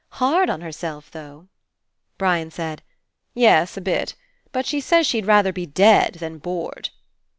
Hard on herself, though." Brian said "Yes, a bit. But she says she'd rather be dead than bored."